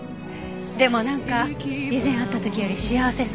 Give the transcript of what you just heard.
でもなんか以前会った時より幸せそう。